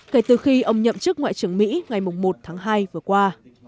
kể từ khi ông nhậm chức ngoại trưởng mỹ ngày một tháng hai vừa qua